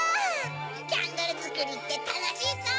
キャンドルづくりってたのしいゾウ！